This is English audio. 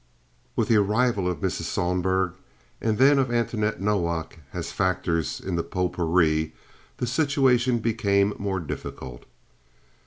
With the arrival of Mrs. Sohlberg and then of Antoinette Nowak as factors in the potpourri, the situation became more difficult.